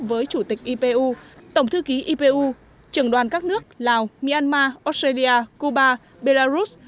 với chủ tịch ipu tổng thư ký ipu trưởng đoàn các nước lào myanmar australia cuba belarus